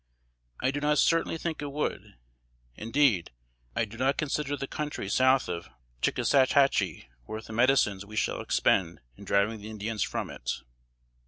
I do not certainly think it would; indeed, I do not consider the country south of Chickasa Hatchee worth the medicines we shall expend in driving the Indians from it."